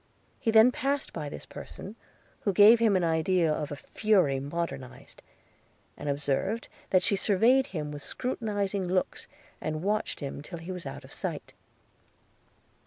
He then passed by this person, who gave him an idea of a fury modernized; and observed that she surveyed him with scrutinizing looks, and watched him till he was out of sight.